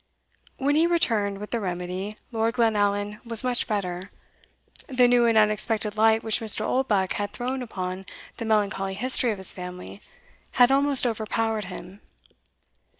When he returned with the remedy, Lord Glenallan was much better. The new and unexpected light which Mr. Oldbuck had thrown upon the melancholy history of his family had almost overpowered him.